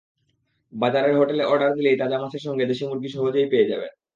বাজারের হোটেলে অর্ডার দিলেই তাজা মাছের সঙ্গে দেশি মুরগি সহজেই পেয়ে যাবেন।